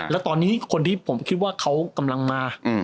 แล้วตอนนี้คนที่ผมคิดว่าเขากำลังมา